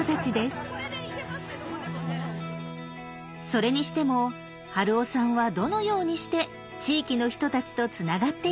それにしても春雄さんはどのようにして地域の人たちとつながっていったのでしょう。